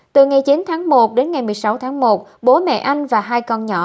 từ ngày chín tháng một đến ngày một mươi sáu tháng một bố mẹ anh và hai con nhỏ